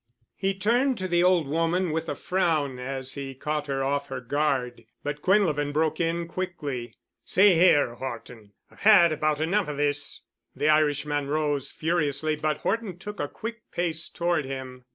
He turned to the old woman with a frown as he caught her off her guard but Quinlevin broke in quickly. "See here, Horton, I've had about enough of this——" The Irishman rose furiously, but Horton took a quick pace toward him.